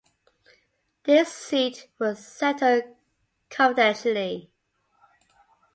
This suit was settled confidentially.